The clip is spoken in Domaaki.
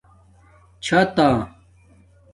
چھاتہ